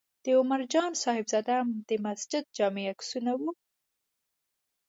د عمر جان صاحبزاده د مسجد جامع عکسونه و.